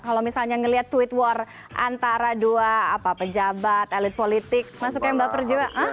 kalau misalnya ngelihat tweet war antara dua pejabat elit politik masuk yang baper juga